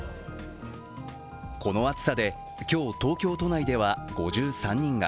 この暑さで今日、東京都内では５３人が。